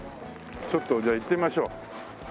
ちょっとじゃあ行ってみましょう。